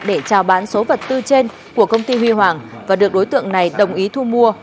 để trao bán số vật tư trên của công ty huy hoàng và được đối tượng này đồng ý thu mua